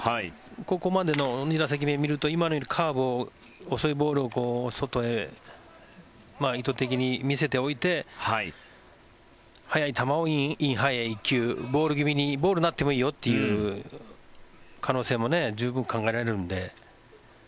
ここまでの２打席で見ると今のようにカーブ、遅いボールを外へ意図的に見せておいて速い球をインハイへ１球ボール気味にボールになってもいいよという可能性も十分考えられるので。